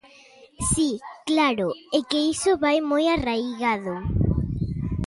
Si, claro, é que iso vai moi arraigado.